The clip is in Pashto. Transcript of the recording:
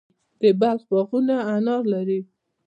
د بلخ باغونه انار لري.